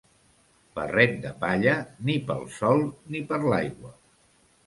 Barret de palla, ni pel sol ni per l'aigua.